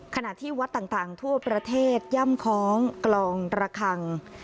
ขณะที่วัดต่างทั่วประเทศย่ำคล้องกลองระคัง